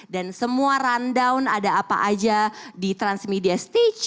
dan semua rundown ada apa aja di transmedia stage